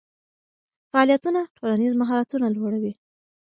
فعالیتونه ټولنیز مهارتونه لوړوي.